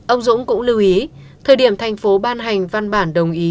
ông dũng cũng lưu ý thời điểm thành phố ban hành văn bản đồng ý